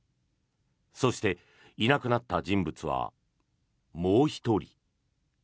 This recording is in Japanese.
そして、いなくなった人物はもう１人。